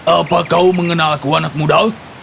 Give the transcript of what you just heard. apa kau mengenalku anak muda